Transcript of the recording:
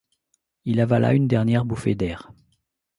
Il avala une dernière bouffée d’air.